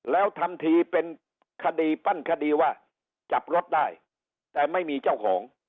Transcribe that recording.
แล้วทำทีเป็นคดีปั้นคดีว่าจับรถได้แต่ไม่มีเจ้าของ